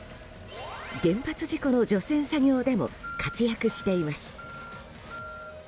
原発事故の除染作業でも活躍しています。